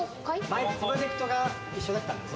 前プロジェクトが一緒だったんです。